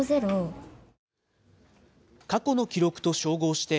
過去の記録と照合して、